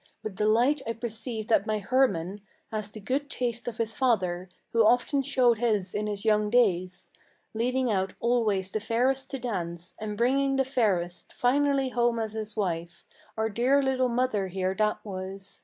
with delight I perceive that my Hermann Has the good taste of his father, who often showed his in his young days, Leading out always the fairest to dance, and bringing the fairest Finally home as his wife; our dear little mother here that was.